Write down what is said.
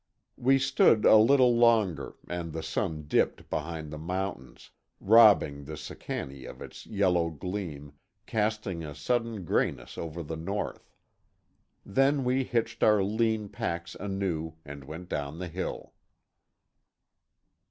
We stood a little longer, and the sun dipped behind the mountains, robbing the Sicannie of its yellow gleam, casting a sudden grayness over the North. Then we hitched our lean packs anew, and went down the hill.